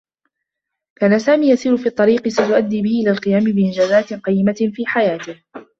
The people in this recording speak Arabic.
كان سامي يسير في طريق ستؤدّي به إلى القيام بإنجازات قيّمة في حياته.